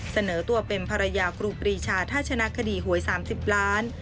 เสนอตัวเป็นภรรยาครูปรีชาถ้าชนะคดีหวย๓๐ล้าน